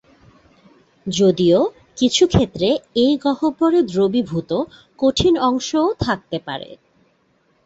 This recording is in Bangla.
যদিও কিছু ক্ষেত্রে এই গহ্বরে দ্রবীভূত কঠিন অংশও থাকতে পারে।